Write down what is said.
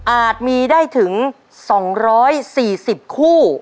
อาจมีได้ถึง๒๔๐คู่